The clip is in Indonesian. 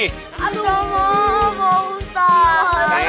minta maaf pak ustaz